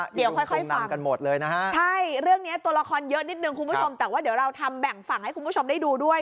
เดี๋ยวค่อยค่อยฟังกันหมดเลยนะฮะใช่เรื่องเนี้ยตัวละครเยอะนิดนึงคุณผู้ชมแต่ว่าเดี๋ยวเราทำแบ่งฝั่งให้คุณผู้ชมได้ดูด้วย